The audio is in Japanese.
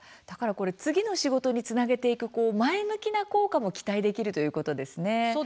次の仕事につなげていく前向きな効果も期待できるということですね。